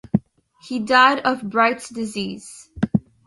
He died of Bright's disease.